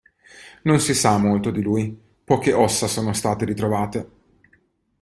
Non si sa molto di lui: poche ossa sono state ritrovate.